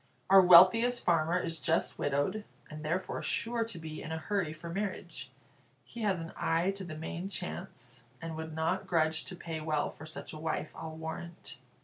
Our wealthiest farmer is just widowed, and therefore sure to be in a hurry for marriage. He has an eye to the main chance, and would not grudge to pay well for such a wife, I'll warrant."